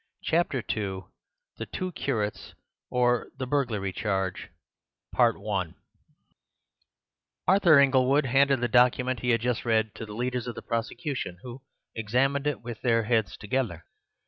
Chapter II The Two Curates; or, the Burglary Charge Arthur Inglewood handed the document he had just read to the leaders of the prosecution, who examined it with their heads together.